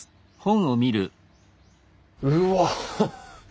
うわ！